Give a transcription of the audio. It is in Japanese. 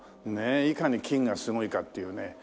ねえいかに金がすごいかっていうね。